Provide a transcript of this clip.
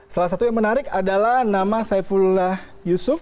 salah satu yang menarik adalah nama saifullah yusuf